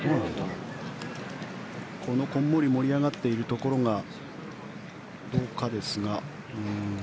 この、こんもり盛り上がっているところがどうかですが。